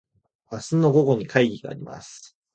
明日の午後に会議があります。